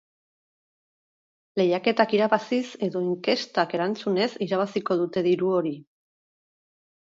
Lehiaketak irabaziz edo inkestak erantzunez irabaziko dute diru hori.